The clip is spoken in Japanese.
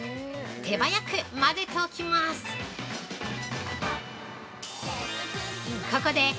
手早く混ぜておきます。